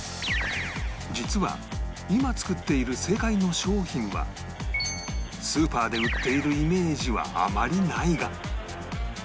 実は今作っている正解の商品はスーパーで売っているイメージはあまりないが